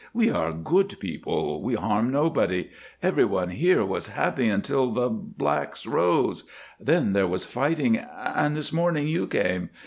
We are good people; we harm nobody. Every one here was happy until the blacks rose. Then there was fighting and this morning you came.